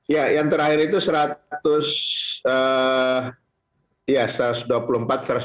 ya yang terakhir itu satu ratus dua puluh empat satu ratus dua puluh lima